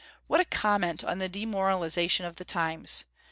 What a comment on the demoralization of the times!